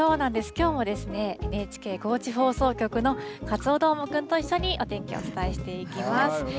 きょうはですね、ＮＨＫ高知放送局のカツオどーもくんと一緒にお天気をお伝えしていきます。